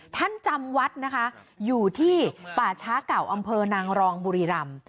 จำวัดนะคะอยู่ที่ป่าช้าเก่าอำเภอนางรองบุรีรำ